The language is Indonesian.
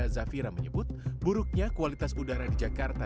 jadi contohnya adalah itu